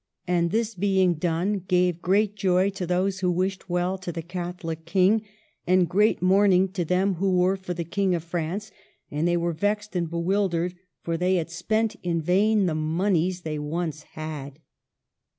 ' And this being done gave great joy to those who wished well to the Catholic King, and great mourning to them who were for the King of France, and they were vexed and bewildered, for they had spent in vain the moneys they once had."